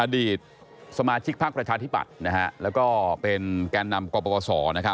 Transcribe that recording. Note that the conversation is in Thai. อดีตสมาชิกภักดิ์ประชาธิปัตย์และก็เป็นแกนนำกรปกศ